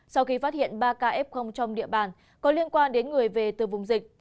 sau khi phát hiện ba k trong địa bàn có liên quan đến người về từ vùng dịch